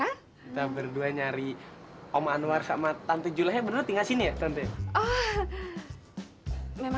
kita berdua nyari om anwar sama tante julia ya bener bener tinggal di sini ya